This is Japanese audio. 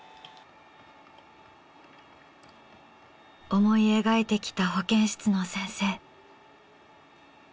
思い描いてきた保健室の先生。